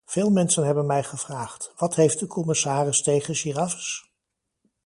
Veel mensen hebben mij gevraagd, wat heeft de commissaris tegen giraffes?